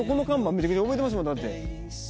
めちゃくちゃ覚えてますもん。